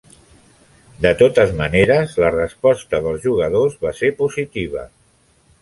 De totes maneres, la resposta dels jugadors va ser positiva.